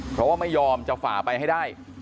เพราะว่าไม่ยอมจะฝ่าไปให้ได้